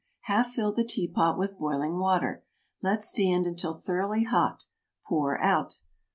Half fill the teapot with boiling water. Let stand until thoroughly hot. Pour out.